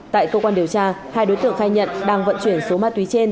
tại cơ quan điều tra hai đối tượng khai nhận đang vận chuyển số ma túy trên